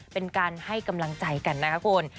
เป็นการให้กำลังใจกันนะคะคุณ